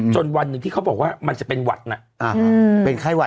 จนวันหนึ่งที่เขาบอกว่ามันจะเป็นหวัดนะ